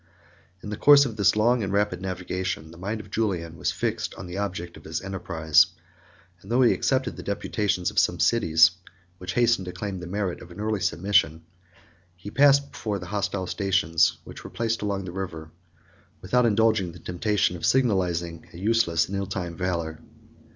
In the course of this long and rapid navigation, the mind of Julian was fixed on the object of his enterprise; and though he accepted the deputations of some cities, which hastened to claim the merit of an early submission, he passed before the hostile stations, which were placed along the river, without indulging the temptation of signalizing a useless and ill timed valor.